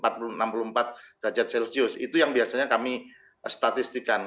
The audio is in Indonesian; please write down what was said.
ada enam puluh empat derajat celcius itu yang biasanya kami statistikan